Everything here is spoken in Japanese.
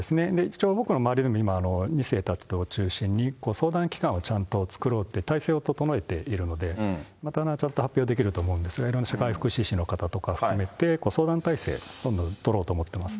一応、僕の周りでも、２世たち等を中心に、相談機関をちゃんと作ろうって態勢を整えているので、また後ほど発表できると思うんですが、いろんな社会福祉士の方とか含めて、相談態勢をどんどん取ろうと思っています。